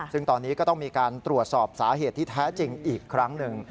ซึ่งตอนนี้ก็ต้องมีการตรวจสอบสาเหตุที่แท้จริงอีกครั้งหนึ่ง